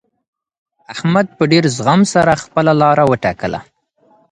احمد په ډېر زغم سره خپله لاره وټاکله.